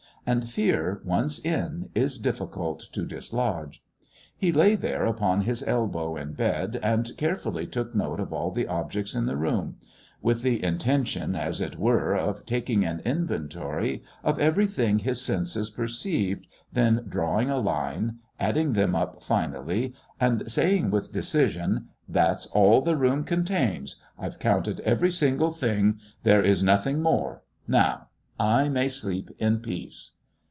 And fear, once in, is difficult to dislodge. He lay there upon his elbow in bed and carefully took note of all the objects in the room with the intention, as it were, of taking an inventory of everything his senses perceived, then drawing a line, adding them up finally, and saying with decision, "That's all the room contains! I've counted every single thing. There is nothing more. Now I may sleep in peace!"